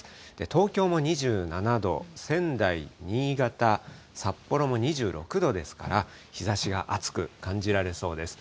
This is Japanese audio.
東京も２７度、仙台、新潟、札幌も２６度ですから、日ざしが暑く感じられそうです。